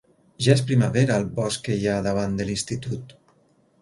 Ja és primavera al bosc que hi ha davant de l'Institut.